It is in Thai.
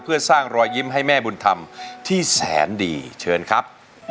เพื่อสร้างรอยยิ้มให้แม่บุญธรรมที่แสนดีเชิญครับ